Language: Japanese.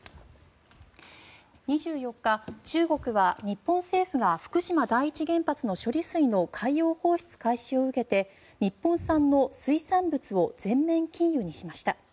２４日、中国は日本政府が福島第一原発の処理水の海洋放出開始を受けて日本産の水産物を全面禁輸にしました。